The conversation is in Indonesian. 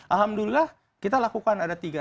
alhamdulillah kita lakukan ada tiga